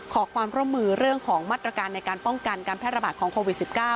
ขอความร่วมมือเรื่องของมาตรการในการป้องกันการแพร่ระบาดของโควิด๑๙